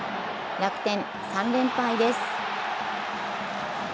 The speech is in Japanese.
楽天、３連敗です。